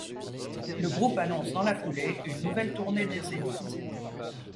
Le groupe annonce dans la foulée une nouvelle tournée des zéniths.